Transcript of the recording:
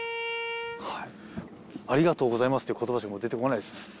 「ありがとうございます」っていう言葉しかもう出て来ないです。